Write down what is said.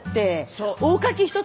そう！